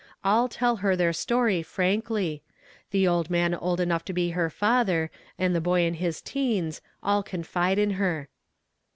All tell her their story frankly the old man old enough to be her father, and the boy in his teens, all confide in her.